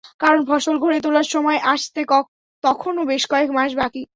কারণ, ফসল ঘরে তোলার সময় আসতে তখনো বেশ কয়েক মাস বাকি।